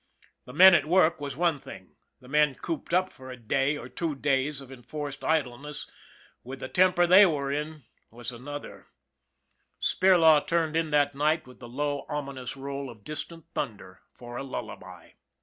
The men at work was one thing; the men cooped up for a day, or two days, of enforced idleness with the temper they were in was another THE BUILDER 139 Spirlaw turned in that night with the low, ominous roll of distant thunder for a lullaby.